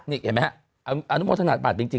นี่เห็นไหมฮะอนุโมทนาบัตรจริง